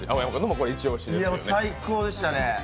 最高でしたね